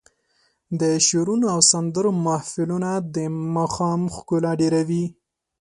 د شعرونو او سندرو محفلونه د ماښام ښکلا ډېروي.